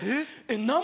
えっ？